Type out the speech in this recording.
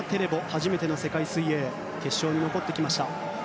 初めての世界水泳決勝に残ってきました。